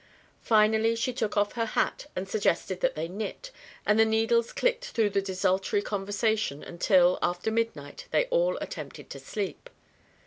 Finally she took off her hat and suggested that they knit, and the needles clicked through the desultory conversation until, after midnight, they all attempted to sleep.